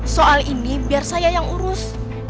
soal ini biar saya yang urus